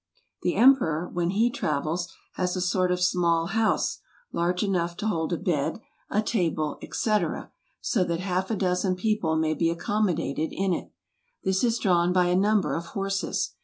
The Emperor, when he travels, has a sort of small house, large enough to hold a bed, a table, 3* 30 RUSSIA. &c. so that half a dozen people may be accom¬ modated in it. This is drawn by a number of horses.